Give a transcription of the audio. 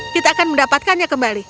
kita akan mendapatkannya kembali